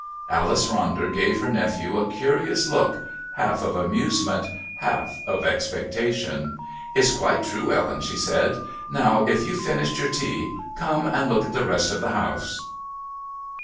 Alice Ronder gave her nephew a curious look, half of amusement, half of expectation. "It's quite true, Ellen," she said. "Now, if you've finished your tea, come and look at the rest of the house."